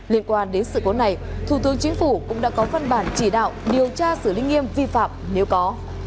liên quan đến sự cố này thủ tướng chính phủ cũng đã có phân bản chỉ đạo điều tra xử lý nghiêm vi phạm nếu có